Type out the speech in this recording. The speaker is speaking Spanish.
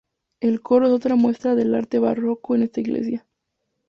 El coro es otra muestra del arte barroco en esta iglesia.